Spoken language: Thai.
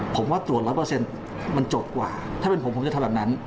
ผมว่าตรวจ๑๐๐มันจบกว่าถ้าเป็นผมผมจะทำแบบนั้น